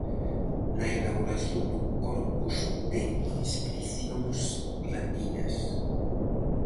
Na elaboración do Corpus de Inscricións Latinas.